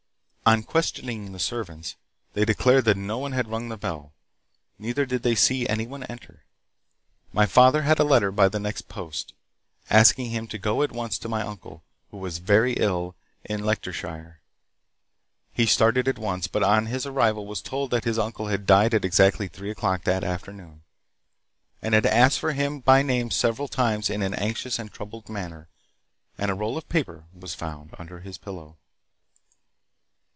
On questioning the servants, they declared that no one had rung the bell; neither did they see any one enter. My father had a letter by the next post, asking him to go at once to my uncle, who was very ill in Leicestershire. He started at once, but on his arrival was told that his uncle had died at exactly 3 o'clock that afternoon, and had asked for him by name several times in an anxious and troubled manner, and a roll of paper was found under his pillow.